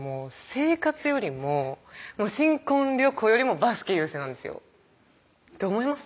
生活よりも新婚旅行よりもバスケ優先なんですよどう思います？